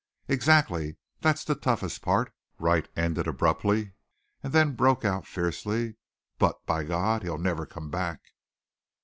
"Exactly. That's the toughest part...." Wright ended abruptly, and then broke out fiercely: "But, by God, he'll never come back!"